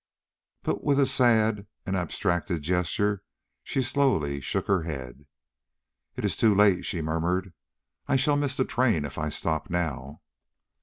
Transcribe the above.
But with a sad and abstracted gesture she slowly shook her head. "It is too late," she murmured. "I shall miss the train if I stop now."